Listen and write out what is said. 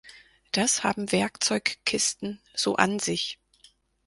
Das haben Werkzeugkisten so an sich.